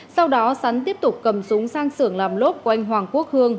sau đó sắn tiếp tục cầm súng sang sưởng làm lốp của anh hoàng quốc hương